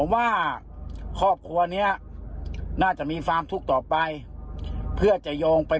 ว่าครอบครัวเนี้ยน่าจะมีความทุกข์ต่อไปเพื่อจะโยงไป